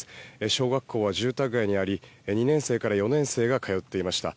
小学校は住宅街にあり２年生から４年生が通っていました。